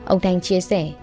ông thanh chia sẻ